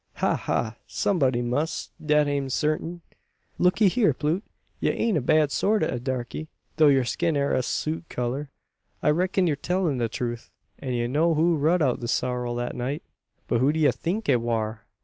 "Ha! ha! Someb'dy muss, dat am certing." "Looke hyur, Plute! Ye ain't a bad sort o' a darkie, though your skin air o' a sut colour. I reck'n you're tellin' the truth; an ye don't know who rud out the sorrel that night. But who do ye think it war?